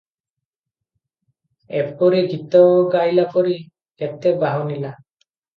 ଏପରି ଗୀତ ଗାଇଲା ପରି କେତେ ବାହୁନିଲା ।